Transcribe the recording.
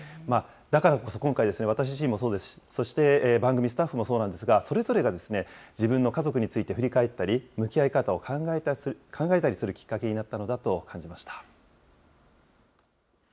だからこそ、今回、私自身もそうですし、そして、番組スタッフもそうなんですが、それぞれが自分の家族について振り返ったり、向き合い方を考えたりするきっかけになったのだと感じました。